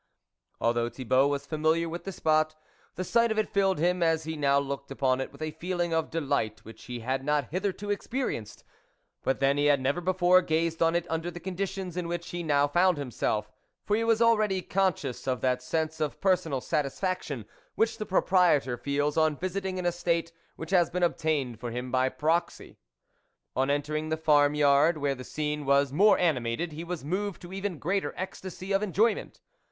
Although Thibault was familiar with the spot, the sight of it filled him, as he now looked upon it, with a feeling of de light which he had not hitherto experi enced; but then he had never before gazed on it under the conditions in which he now found himself, for he was already conscious of that sense of personal satis faction which the proprietor feels on visit ing an estate which has been obtained for him by proxy. On entering the farm yard, where the scene was more animated, he was moved to even greater ecstasy of enjoyment.